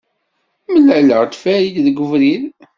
Mlaleɣ-d Farid deg ubrid.